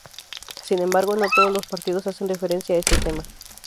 Sin embargo, no todos los partidos hacen referencia a este tema.